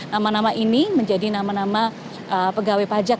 nama nama ini menjadi nama nama pegawai pajak